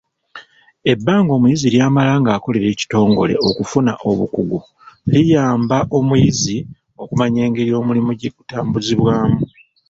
Ebbanga omuyizi ly'amala ng'akolera ekitongole okufuna obukugu liyamba omuyizi okumanya engeri omulimu gye gutambuzibwamu.